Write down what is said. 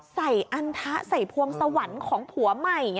อันทะใส่พวงสวรรค์ของผัวใหม่